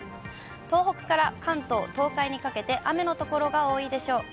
東北から関東、東海にかけて雨の所が多いでしょう。